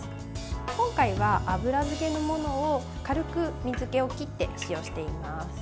今回は油漬けのものを軽く水けを切って使用しています。